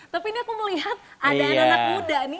tapi ini aku mau lihat ada anak muda nih